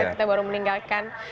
kita baru meninggalkan